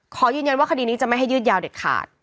ขอยืนยันว่าคดีนี้จะไม่ให้ยืดยาวเด็ดขาด